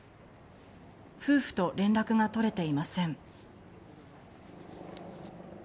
夫婦と連絡が取れていません。